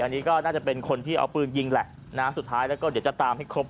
อันนี้ก็น่าจะเป็นคนที่เอาปืนยิงแหละนะสุดท้ายแล้วก็เดี๋ยวจะตามให้ครบ